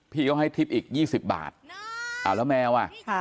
พี่ก็ให้ทิบอีกยี่สิบบาทอ้าวแล้วแมวอ่ะ